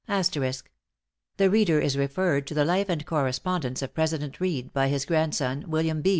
The reader is referred to the Life and Correspondence of President Reed, by his grandson, William B.